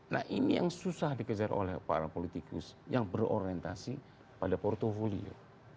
nah ini yang susah dikejar oleh para politikus yang berorientasi pada portfolio